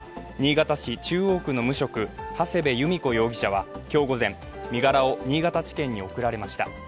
殺人の疑いで逮捕された新潟市中央区の無職、長谷部由美子容疑者は今日午前、身柄を新潟地検に送られました。